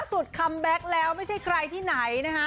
คัมแบ็คแล้วไม่ใช่ใครที่ไหนนะคะ